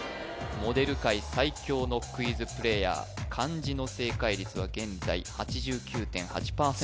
モデル界最強のクイズプレイヤー漢字の正解率は現在８９．８％